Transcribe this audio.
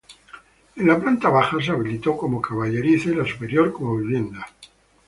En la planta baja se habilitó como caballerizas y la superior como vivienda.